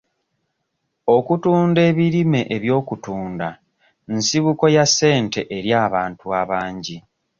Okutunda ebirime eby'okutunda nsibuko ya ssente eri abantu abangi.